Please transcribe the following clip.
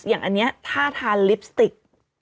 อย่างอันนี้ถ้าทานลิปสติก